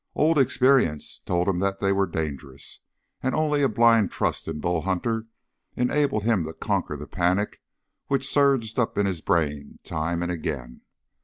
Old experience told him that they were dangerous, and only a blind trust in Bull Hunter enabled him to conquer the panic which surged up in his brain time and again.